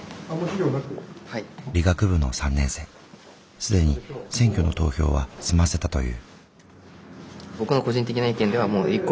既に選挙の投票は済ませたという。